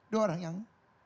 dua orang yang